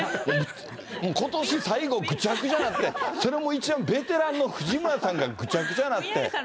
ことし最後、ぐちゃぐちゃなって、それも一番ベテランの藤村さんがぐちゃぐちゃなって。